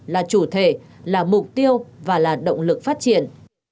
là chủ thể là mục tiêu và là động lực phát triển